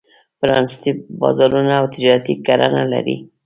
پرانېستي بازارونه او تجارتي کرنه لري.